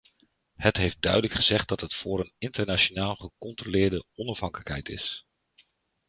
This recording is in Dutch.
Het heeft duidelijk gezegd dat het voor een internationaal gecontroleerde onafhankelijkheid is.